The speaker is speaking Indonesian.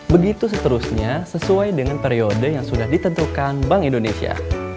begitu seterusnya sesuai dengan periode yang sudah ditentukan bank indonesia